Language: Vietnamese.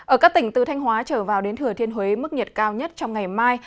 ở các tỉnh từ thanh hóa trở vào đến thừa thiên huế mức nhiệt cao nhất trong ngày mai